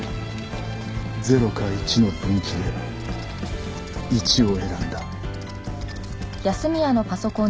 ０か１の分岐で１を選んだ